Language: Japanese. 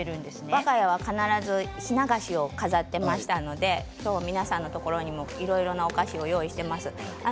わが家は必ずお菓子を飾っていましたので皆さんのところでもいろいろなひな菓子を用意しています。